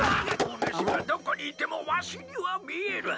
おぬしはどこにいてもわしには見える。